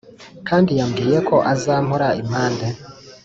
kandi yambwiye ko azampora impande